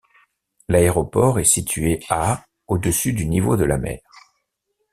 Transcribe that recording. L'aéroport est situé à au-dessus du niveau de la mer.